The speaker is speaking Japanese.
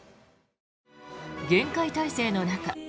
厳戒態勢の中